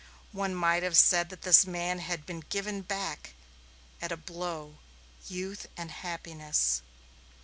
One might have said that this man had been given back at a blow youth and happiness.